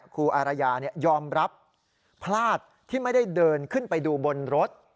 อารยายอมรับพลาดที่ไม่ได้เดินขึ้นไปดูบนรถ